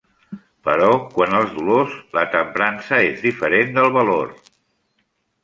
Però quant als dolors, la temprança és diferent del valor.